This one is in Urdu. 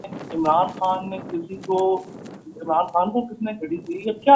ہنگری